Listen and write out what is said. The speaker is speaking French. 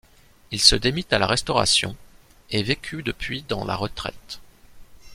Il se démit à la Restauration et vécut depuis dans la retraite.